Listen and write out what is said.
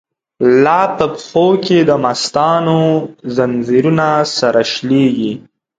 لا په پښو کی دمستانو، ځنځیرونه سره شلیږی